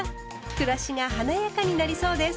暮らしが華やかになりそうです。